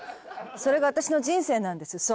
それが私の人生なんですＳＯ。